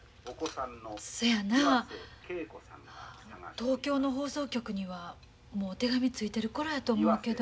東京の放送局にはもう手紙着いてる頃やと思うけど。